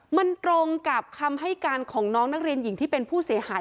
มันตรงกับคำให้การของน้องนักเรียนหญิงที่เป็นผู้เสียหาย